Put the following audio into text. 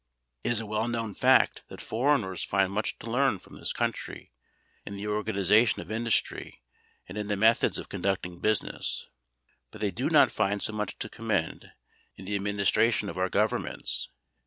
It is a well known fact that foreigners find much to learn from this country in the organization of industry and in the methods of conducting business, but they do not find so much to commend in the administration of our governments.